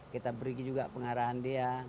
kita beri juga pengarahan dia